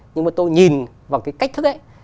nhưng mà tôi nhìn vào cái cách thức ấy